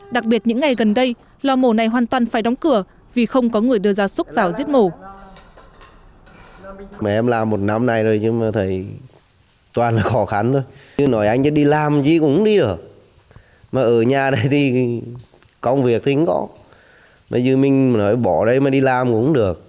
đặc biệt những ngày gần đây lò mổ này hoàn toàn phải đóng cửa vì không có người đưa gia súc vào giết mổ